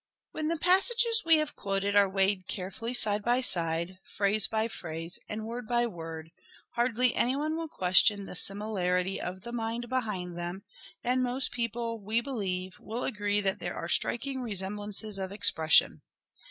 When the passages we have quoted are weighed carefully side by side, phrase by phrase and word by word, hardly any one will question the similarity of mind behind them, and most people, we believe, will agree that there are striking resemblances of expression.